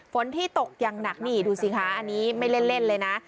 ฝนที่ตกอย่างหนักนี่ดูสิคะอันนี้ไม่เล่นเลยนะ